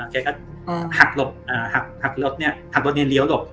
แกก็หักรถหักรถเนี่ยทำรถเนี่ยเลี้ยวลบ